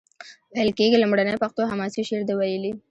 ویل کیږي لومړنی پښتو حماسي شعر ده ویلی.